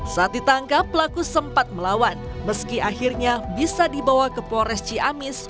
saat ditangkap pelaku sempat melawan meski akhirnya bisa dibawa ke pores ciamis